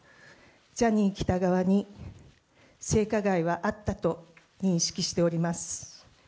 ジャニー喜多川に、性加害はあったと認識しております。